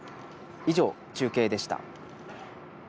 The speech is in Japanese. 以上、中継でした。